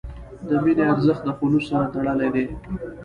د مینې ارزښت د خلوص سره تړلی دی.